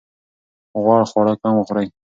غوړ خواړه کم وخورئ.